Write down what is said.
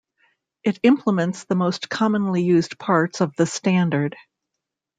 It implements the most commonly used parts of the standard.